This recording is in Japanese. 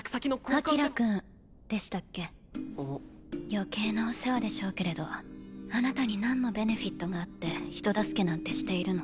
余計なお世話でしょうけれどあなたになんのベネフィットがあって人助けなんてしているの？